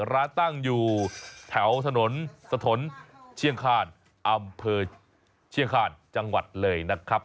ร้านตั้งอยู่แถวถนนสะทนเชียงคานอำเภอเชียงคาญจังหวัดเลยนะครับ